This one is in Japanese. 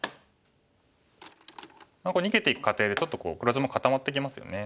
逃げていく過程でちょっと黒地も固まってきますよね。